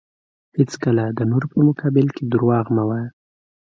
هیڅکله د نورو په مقابل کې دروغ مه وایه.